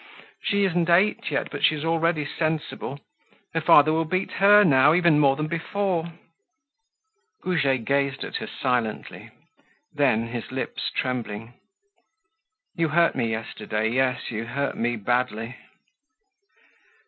She isn't eight yet, but she's already sensible. Her father will beat her now even more than before." Goujet gazed at her silently. Then, his lips trembling: "You hurt me yesterday, yes, you hurt me badly."